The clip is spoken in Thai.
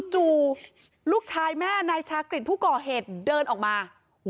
จู่ลูกชายแม่นายชากฤษผู้ก่อเหตุเดินออกมา